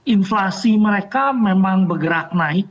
inflasi mereka memang bergerak naik